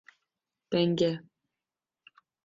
Denge.